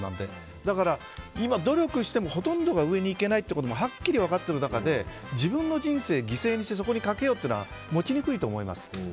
今、努力してもほとんどが上にいけないとはっきり分かっている中で自分の人生、犠牲にしてそこにかけようという気持ちは持ちにくいと思います。